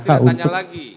sudah tidak tanya lagi